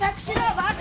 バカ！